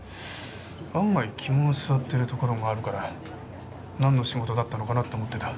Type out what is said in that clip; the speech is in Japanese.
案外肝の据わっているところがあるからなんの仕事だったのかなって思ってた。